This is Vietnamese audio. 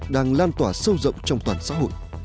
đang lan tỏa sâu rộng trong toàn xã hội